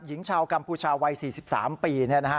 หญิงชาวกัมพูชาวัย๔๓ปี